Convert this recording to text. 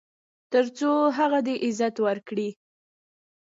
تر څو هغه دې عزت وکړي .